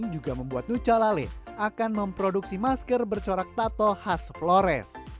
juga membuat nuca lale akan memproduksi masker bercorak tato khas flores